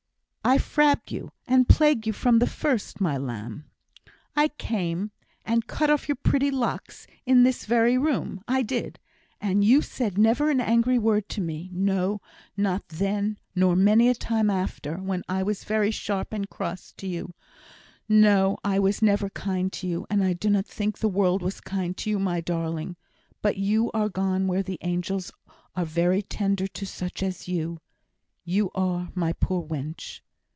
I frabbed you, and plagued you from the first, my lamb! I came and cut off your pretty locks in this very room I did and you said never an angry word to me; no! not then, nor many a time after, when I was very sharp and cross to you. No! I never was kind to you, and I dunnot think the world was kind to you, my darling, but you are gone where the angels are very tender to such as you you are, my poor wench!"